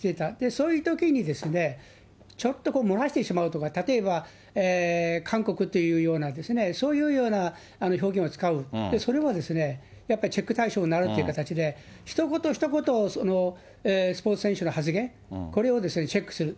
そういうときにですね、ちょっと漏らしてしまうとか、例えば韓国っていうような、そういうような表現を使う、それはやっぱりチェック対象になるって形で、ひと言ひと言をスポーツ選手の発言、これをチェックする。